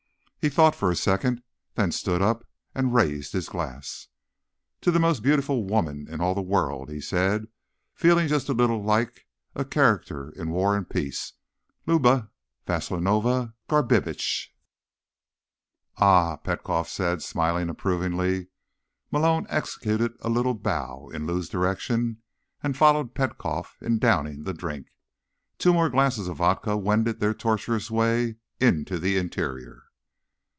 He thought for a second, then stood up and raised his glass. "To the most beautiful woman in all the world," he said, feeling just a little like a character in War and Peace. "Luba Vasilovna Garbitsch." "Ah," Petkoff said, smiling approvingly. Malone executed a little bow in Lou's direction and followed Petkoff in downing the drink. Two more glasses of vodka wended their tortuous ways into the interior.